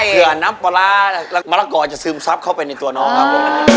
เผื่อน้ำปลาร้ามะละกอจะซึมซับเข้าไปในตัวน้องครับผม